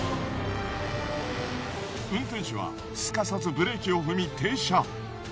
運転手はすかさずブレーキを踏み停車。